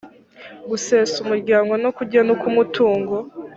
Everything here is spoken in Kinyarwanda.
gusesa umuryango no kugena uko umutungo